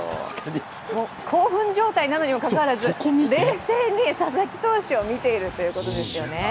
興奮状態なのにもかかわらず、冷静に佐々木投手を見ているということですよね。